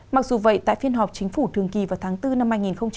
mặc dù vậy tại phiên họp chính phủ thường kỳ vào tháng bốn năm hai nghìn hai mươi